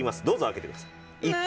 どうぞ、開けてください。